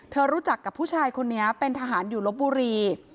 รู้จักกับผู้ชายคนนี้เป็นทหารอยู่ลบบุรี